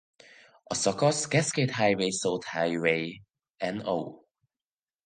A szakasz Cascade Highway South Highway No.